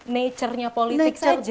nature nya politik saja